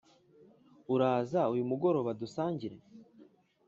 uraza uyu mugoroba dusangire?